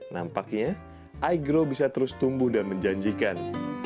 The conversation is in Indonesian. nampaknya igrow bisa terus tumbuh dan menjanjikan